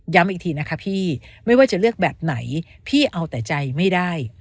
อีกทีนะคะพี่ไม่ว่าจะเลือกแบบไหนพี่เอาแต่ใจไม่ได้